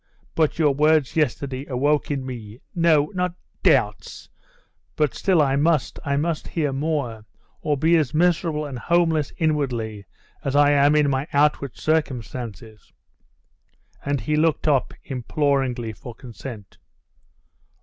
But your words yesterday awoke in me no, not doubts; but still I must, I must hear more, or be as miserable and homeless inwardly as I am in my outward circumstances!' And he looked up imploringly for consent.